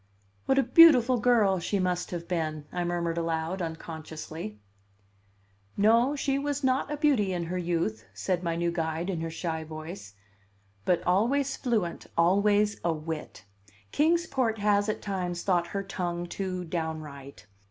"What a beautiful girl she must have been!" I murmured aloud, unconsciously. "No, she was not a beauty in her youth," said my new guide in her shy voice, "but always fluent, always a wit. Kings Port has at times thought her tongue too downright.